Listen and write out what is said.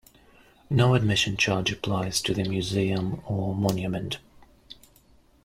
No admission charge applies to the museum or monument.